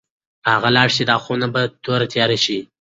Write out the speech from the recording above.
که هغه لاړه شي، دا خونه به توره تیاره شي.